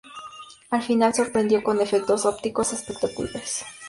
Al final sorprendió con efectos ópticos espectaculares.